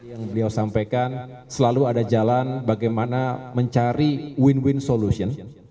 yang beliau sampaikan selalu ada jalan bagaimana mencari win win solution